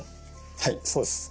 はいそうです。